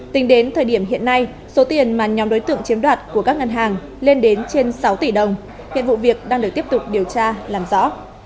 tính đến thời điểm hiện nay số tiền mà nhóm đối tượng chiếm đoạt của các ngân hàng lên đến trên sáu tỷ đồng hiện vụ việc đang được tiếp tục điều tra làm rõ